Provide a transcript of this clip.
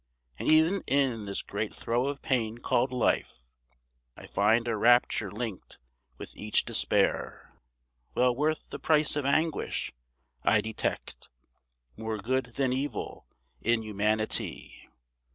And e'en in this great throe of pain called Life I find a rapture linked with each despair, Well worth the price of anguish. I detect More good than evil in humanity.